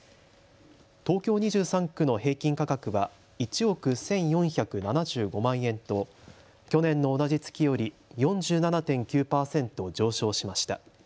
東京２３区の平均価格は１億１４７５万円と去年の同じ月より４７．９％上昇しました。